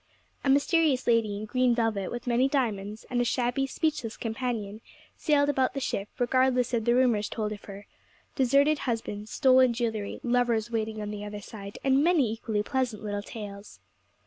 A mysterious lady in green velvet with many diamonds, and a shabby, speechless companion, sailed about the ship, regardless of the rumours told of her deserted husbands, stolen jewellery, lovers waiting on the other side, and many equally pleasant little tales.